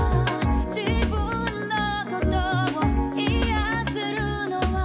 「自分のことを癒せるのは」